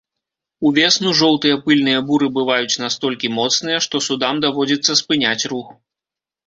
Увесну жоўтыя пыльныя буры бываюць настолькі моцныя, што судам даводзіцца спыняць рух.